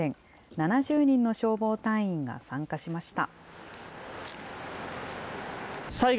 ７０人の消防隊員が参加しました。